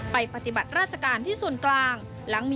ปฏิบัติราชการที่ส่วนกลาง